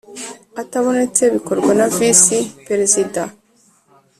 Atabonetse bikorwa na visi peresida